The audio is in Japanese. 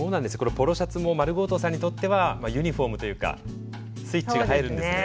ポロシャツもｍａｒｕｇｏ−ｔｏさんにとってはユニフォームというかスイッチが入るんですね。